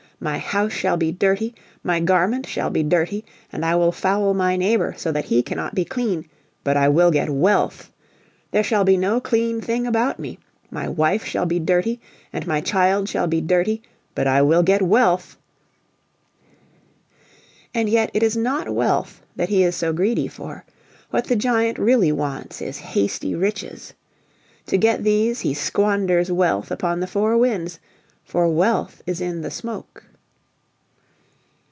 My house shall be dirty, my garment shall be dirty, and I will foul my neighbor so that he cannot be clean but I will get Wealth! There shall be no clean thing about me: my wife shall be dirty and my child shall be dirty, but I will get Wealth!" And yet it is not wealth that he is so greedy for: what the giant really wants is hasty riches. To get these he squanders wealth upon the four winds, for wealth is in the smoke.